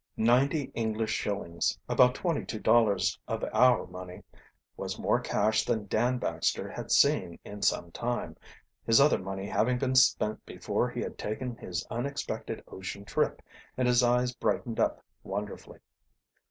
Ninety English shillings about twenty two dollars of our money was more cash than Dan Baxter had seen in some time, his other money having been spent before he had taken his unexpected ocean trip, and his eyes brightened up wonderfully.